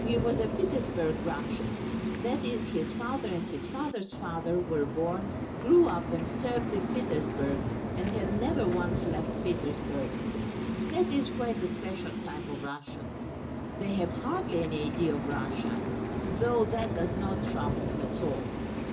He was a Petersburg Russian; that is, his father and his father's father were born, grew up and served in Petersburg and had never once left Petersburg. That is quite a special type of Russian. They have hardly any idea of Russia, though that does not trouble them at all.